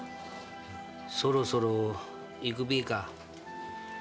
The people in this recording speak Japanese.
そろそろ行くべえか。